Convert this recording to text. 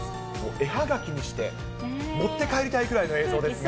絵はがきにして持って帰りたいくらいの映像ですが。